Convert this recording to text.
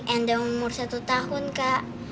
anda umur satu tahun kak